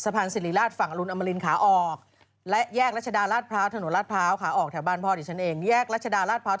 ทางรอดแยกห้วยขวางราชดา